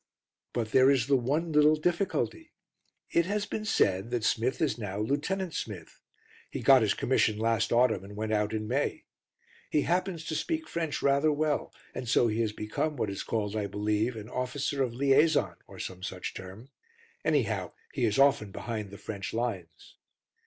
But there is the one little difficulty. It has been said that Smith is now Lieutenant Smith. He got his commission last autumn, and went out in May. He happens to speak French rather well, and so he has become what is called, I believe, an officer of liaison, or some such term. Anyhow, he is often behind the French lines.